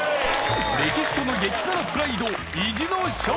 メキシコの激辛プライド